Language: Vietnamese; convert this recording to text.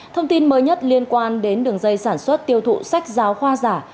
thông tin mới nhất liên quan đến đường dây sản xuất tiêu thụ sách giáo khoa giả